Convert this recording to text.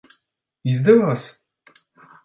Izdevās?